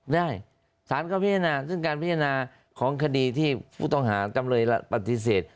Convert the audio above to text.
ได้สารก็พิจารณาซึ่งการพิจารณาของคดีที่ผู้ต้องหาจำเลยปฏิเสธ